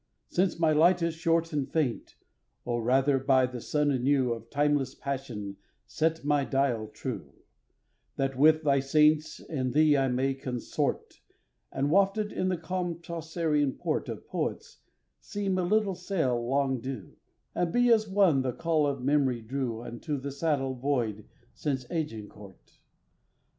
since my light is short And faint, O rather by the sun anew Of timeless passion set my dial true, That with thy saints and thee I may consort, And wafted in the calm Chaucerian port Of poets, seem a little sail long due, And be as one the call of memory drew Unto the saddle void since Agincourt!